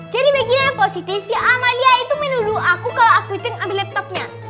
jadi begini mbak siti si amalia itu menuduh aku kalau aku itu yang ambil laptopnya